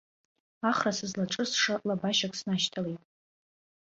Ахра сызлаҿысша лабашьак снашьҭалеит.